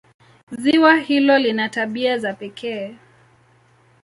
Ziwa hilo lina tabia za pekee.